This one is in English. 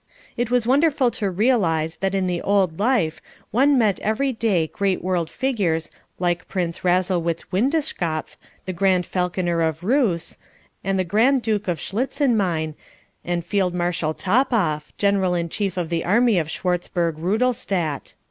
It was wonderful to realise that in the old life one met every day great world figures like Prince Rasselwitz Windischkopf, the Grand Falconer of Reuss, and the Grand Duke of Schlitzin Mein, and Field Marshall Topoff, General in Chief of the army of Schwarzburg Rudolstadt.